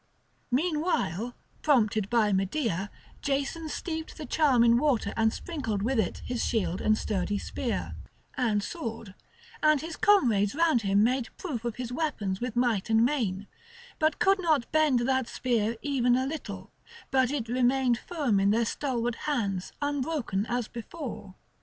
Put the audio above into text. Meanwhile, prompted by Medea, Jason steeped the charm in water and sprinkled with it his shield and sturdy spear, and sword; and his comrades round him made proof of his weapons with might and main, but could not bend that spear even a little, but it remained firm in their stalwart hands unbroken as before.